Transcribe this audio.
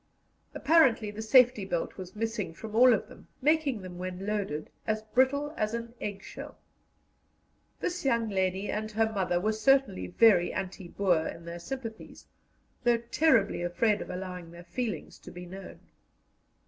Apparently the safety bolt was missing from all of them, making them when loaded as brittle as an eggshell. This young lady and her mother were certainly very anti Boer in their sympathies, though terribly afraid of allowing their feelings to be known.